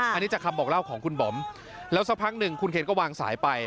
อันนี้จากคำบอกเล่าของคุณบอมแล้วสักพักหนึ่งคุณเคนก็วางสายไป